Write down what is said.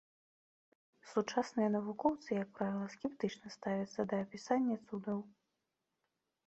Сучасныя навукоўцы, як правіла, скептычна ставяцца да апісання цудаў.